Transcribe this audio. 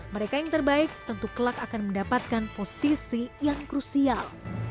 mereka yang terbaik tentu kelak akan mendapatkan posisi yang krusial